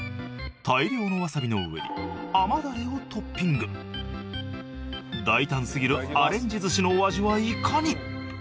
大量のわさびの上に甘だれをトッピング大胆過ぎるアレンジ寿司のお味はいかに？